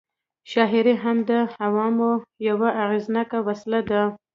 شاعري هم د عوامو یوه اغېزناکه وسله وه.